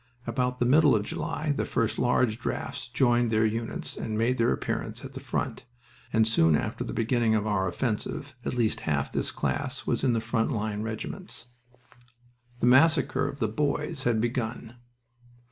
About the middle of July the first large drafts joined their units and made their appearance at the front, and soon after the beginning of our offensive at least half this class was in the front line regiments. The massacre of the boys had begun.